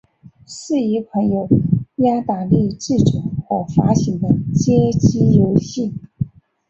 是一款由雅达利制作和发行的街机游戏。